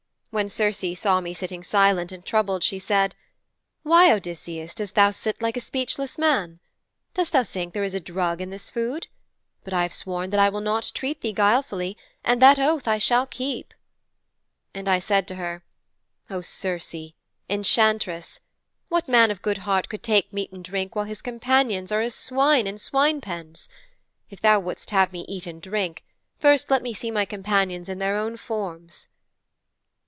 'When Circe saw me sitting silent and troubled she said, "Why, Odysseus, dost thou sit like a speechless man? Dost thou think there is a drug in this food? But I have sworn that I will not treat thee guilefully, and that oath I shall keep."' 'And I said to her, "O Circe, Enchantress, what man of good heart could take meat and drink while his companions are as swine in swine pens? If thou wouldst have me eat and drink, first let me see my companions in their own forms."'